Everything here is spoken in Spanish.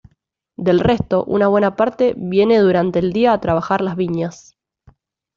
Del resto, una buena parte viene durante el día a trabajar las viñas.